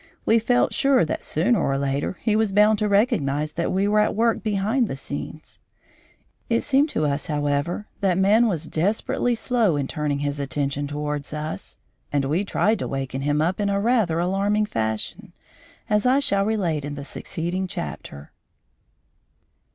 We felt sure that sooner or later he was bound to recognise that we were at work behind the scenes. It seemed to us, however, that man was desperately slow in turning his attention towards us, and we tried to waken him up in a rather alarming fashion, as I shall relate in the succeeding chapter.